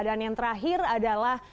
dan yang terakhir adalah